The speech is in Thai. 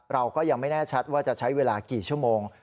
เราก็ยังไม่แน่ชัดว่าจะใช้เวลากี่ชั่วโมง